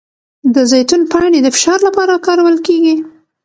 د زیتون پاڼې د فشار لپاره کارول کیږي؟